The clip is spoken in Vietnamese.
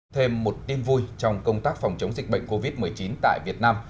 thêm một tin vui trong công tác phòng chống dịch bệnh covid một mươi chín tại việt nam